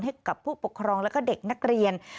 ให้กับผู้ปกครองแล้วก็เด็กนักเรียน